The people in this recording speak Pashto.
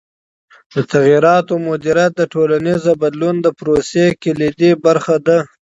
د تغییراتو مدیریت د ټولنیز بدلون د پروسې کلیدي برخه ده.